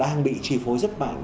đang bị tri phối rất mạnh